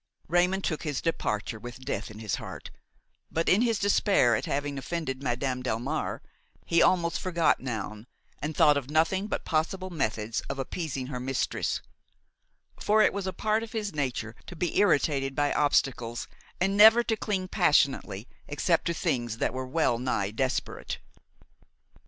Raymon took his departure with death in his heart; but in his despair at having offended Madame Delmare he almost forgot Noun and thought of nothing but possible methods of appeasing her mistress; for it was a part of his nature to be irritated by obstacles and never to cling passionately except to things that were well nigh desperate.